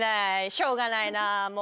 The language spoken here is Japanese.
しょうがないなあもう。